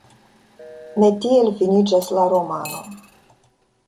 Ne tiel finiĝas la romano.